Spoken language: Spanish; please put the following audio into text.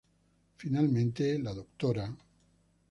Finalmente la Dra.